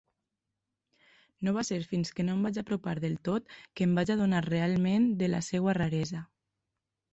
No va ser fins que no em vaig apropar del tot que em vaig adonar realment de la seva raresa.